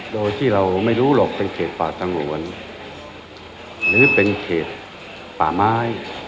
โดยที่เราไม่รู้หรอกเป็นเขตป่าสงวนหรือเป็นเขตป่าไม้